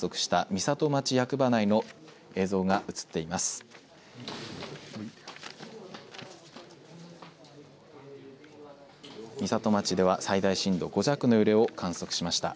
美里町では、最大震度５弱の揺れを観測しました。